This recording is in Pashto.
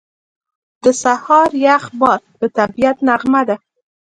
• د سهار یخ باد د طبیعت نغمه ده.